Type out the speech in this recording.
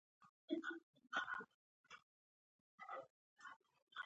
ایا ستاسو مجلس له انوارو ډک نه دی؟